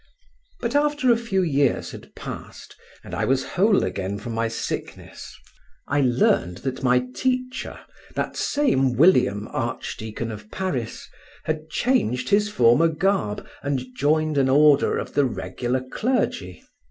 But after a few years had passed, and I was whole again from my sickness, I learned that my teacher, that same William Archdeacon of Paris, had changed his former garb and joined an order of the regular clergy.